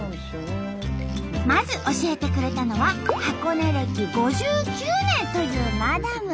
まず教えてくれたのは箱根歴５９年というマダム。